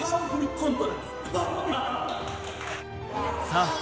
さあ